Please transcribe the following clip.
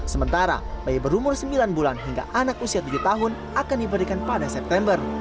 sementara bayi berumur sembilan bulan hingga anak usia tujuh tahun akan diberikan pada september